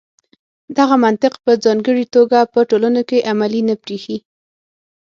دغه منطق په ځانګړې توګه په ټولنو کې عملي نه برېښي.